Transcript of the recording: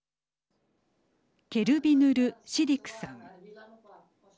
ケルビヌル・シディクさん。